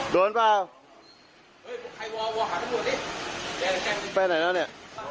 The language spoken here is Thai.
โดนเปล่าเฮ้ยพวกใครวอวอหาทั้งหมดนี้ไปไหนแล้วเนี่ย